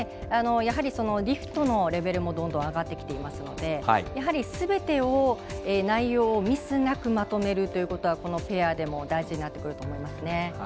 やはり、リフトのレベルもどんどん上がっていますのですべての内容をミスなくまとめるということがこのペアでも大事になってくると思います。